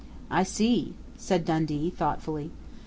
"I see," said Dundee thoughtfully.